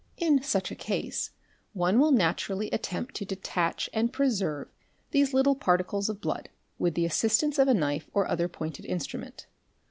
In such a case one . will naturally attempt to detach and preserve these little particles of blood, * with the assistance of a knife or other pointed instrument.